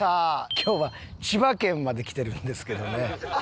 今日は千葉県まで来てるんですけどね。